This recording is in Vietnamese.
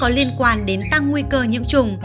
có liên quan đến tăng nguy cơ nhiễm trùng